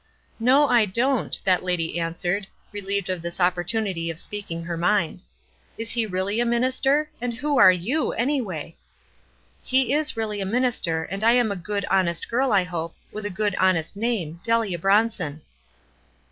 "No, I don't," that lady answered, relieved of this opportunity of speaking her mind. "Is he really a minister, and who arc you, anyway ?" "He is really a minister, and "I am a good, honest girl, I hope, with a good, honest name, Delia Bronson."